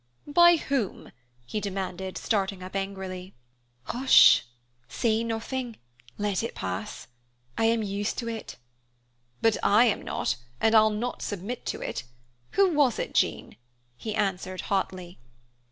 "By whom?" he demanded, starting up angrily. "Hush, say nothing, let it pass. I am used to it." "But I am not, and I'll not submit to it. Who was it, Jean?" he answered hotly.